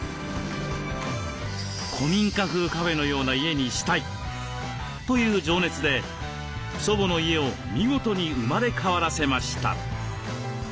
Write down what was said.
古民家風カフェのような家にしたいという情熱で祖母の家を見事に生まれ変わらせました。